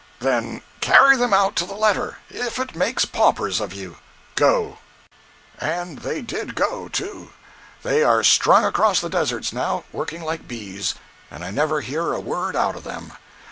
"'Then carry them out to the letter, if it makes paupers of you! Go!' 116.jpg (101K) "And they did go, too! They are strung across the deserts now, working like bees. And I never hear a word out of them.